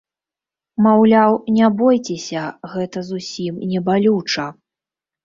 Маўляў, не бойцеся, гэта зусім не балюча!